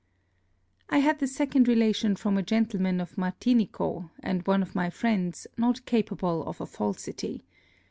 I had the second Relation from a Gentleman of Martinico, and one of my Friends, not capable of a Falsity.